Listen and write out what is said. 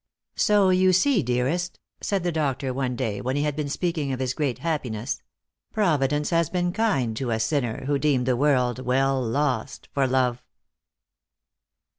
" So you see, dearest," said the doctor, one day, when he had been speaking of his great happiness, " Providence has been kind to a sinner who deemed the world well lost for love."